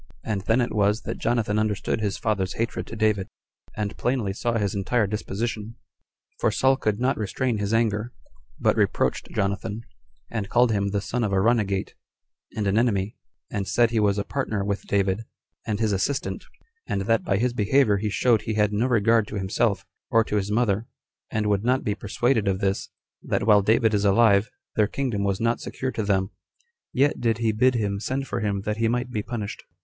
And then it was that Jonathan understood his father's hatred to David, and plainly saw his entire disposition; for Saul could not restrain his anger, but reproached Jonathan, and called him the son of a runagate, and an enemy; and said he was a partner with David, and his assistant, and that by his behavior he showed he had no regard to himself, or to his mother, and would not be persuaded of this, that while David is alive, their kingdom was not secure to them; yet did he bid him send for him, that he might be punished.